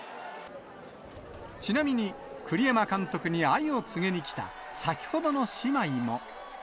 ちなみに、栗山監督に愛を告げに来た先ほどの姉妹も。